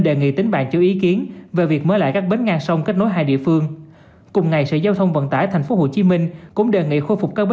đáng chú ý khác sẽ có trong sáng phương nam